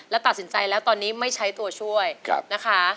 และตัดสินใจแล้วตอนนี้ไม่ใช้ตัวช่วยนะคะ